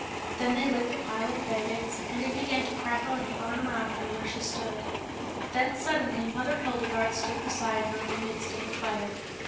Then they lit the pile of fagots, and it began to crackle and bum around her where she stood. Then suddenly Mother Hildegarde stood beside her in the midst of the fire.